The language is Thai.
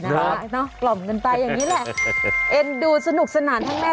แล้วนี้น่าจะเป็นลูกแฝดด้วยมั้ย